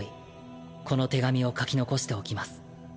この手紙を書き残しておきます。